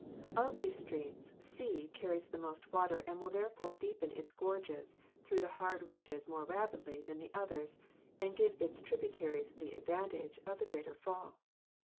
Of these streams, c carries the most water and will therefore deepen its gorges through the hard ridges more rapidly than the others and give its tributaries the advantage of a greater fall.